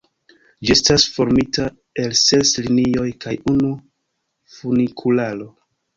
Ĝi estas formita el ses linioj kaj unu funikularo.